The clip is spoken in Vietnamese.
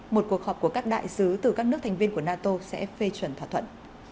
một cuộc họp của các đại sứ từ các nước thành viên của nato sẽ phê chuẩn thỏa thuận